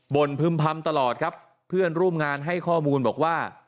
่นพึ่มพำตลอดครับเพื่อนร่วมงานให้ข้อมูลบอกว่า